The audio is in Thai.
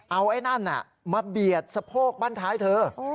เอาไอ้นั่นมาเบียดสะโพกบ้านท้ายเธอ